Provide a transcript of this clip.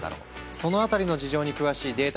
その辺りの事情に詳しいデータ